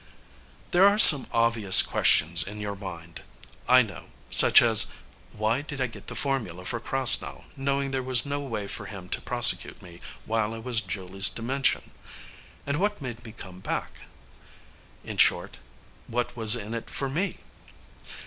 There are some obvious questions in your mind, I know, such as: Why did I get the formula for Krasnow, knowing there was no way for him to prosecute me while I was in Julie's dimension? And what made me come back? In short what was in it for me?